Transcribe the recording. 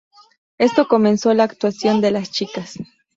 Esto comenzó la actuación de las chicas.